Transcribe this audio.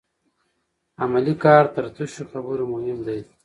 عملي کار تر تشو خبرو مهم دی.